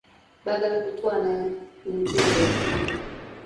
Baagala kutwala nte zokka.